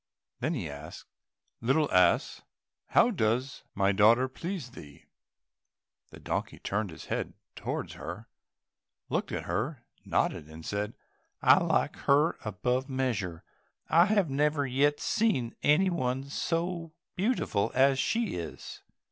Then he asked, "Little ass, how does my daughter please thee?" The donkey turned his head towards her, looked at her, nodded and said, "I like her above measure, I have never yet seen anyone so beautiful as she is."